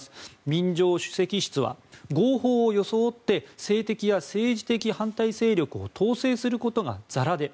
民情首席室は合法を装って政敵や政治的反対勢力を統制することがざらで。